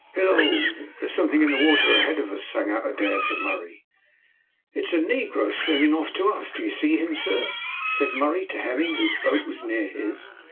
"Hillo, there is something in the water ahead of us," sang out Adair to Murray. "It is a negro swimming off to us. Do you see him, sir?" said Murray to Hemming, whose boat was near his.